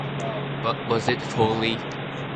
But was it folly?